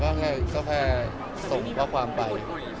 ก็แค่ก็แค่ส่งเขาความไป